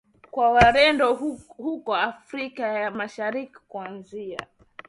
kwa Wareno huko Afrika ya Mashariki kuanzia